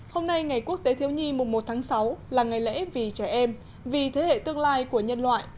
hôm nay ngày quốc tế thiếu nhi mùng một tháng sáu là ngày lễ vì trẻ em vì thế hệ tương lai của nhân loại